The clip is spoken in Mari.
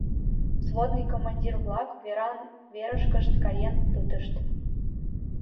Взводный командир-влак веран верышкышт каен пытышт.